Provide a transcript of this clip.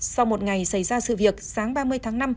sau một ngày xảy ra sự việc sáng ba mươi tháng năm